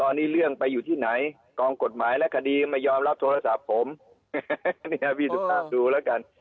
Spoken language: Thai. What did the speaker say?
ตอนนี้เรื่องไปอยู่ที่ไหนกองกฎหมายและคดีไม่ยอมรับโทรศัพท์ผมเนี่ยพี่สุภาพดูแล้วกัน